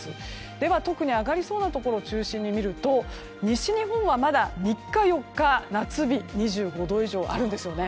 では、特に上がりそうなところを中心に見ると西日本はまだ３日、４日夏日２５度以上あるんですよね。